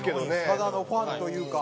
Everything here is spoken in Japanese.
ただのファンというか。